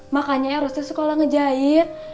makanya eros suka ngejahit